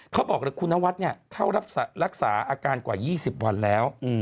เขาบอกเลยคุณนวัดเข้ารักษาอาการกว่า๒๐วันแล้ว